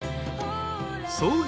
［創業